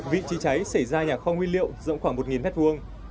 vị trí cháy xảy ra nhà kho nguyên liệu rộng khoảng một mét vuông